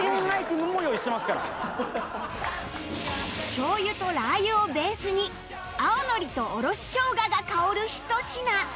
醤油とラー油をベースに青のりとおろし生姜が香るひと品